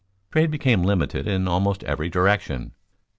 Trade became limited in almost every direction.